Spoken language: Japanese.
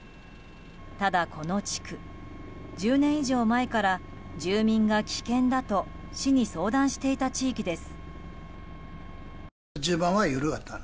ただ、この地区１０年以上前から住民が危険だと市に相談していた地域です。